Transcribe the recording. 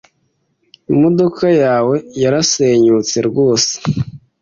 Imodoka yawe yarasenyutse rwose.